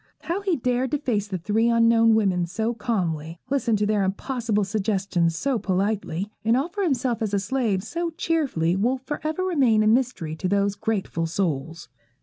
How he dared to face the three unknown women so calmly, listen to their impossible suggestions so politely, and offer himself as a slave so cheerfully, will for ever remain a mystery to those grateful souls.